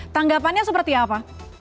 tanggapannya seperti apa